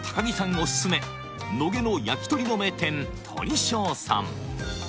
おすすめ野毛の焼き鳥の名店鳥勝さん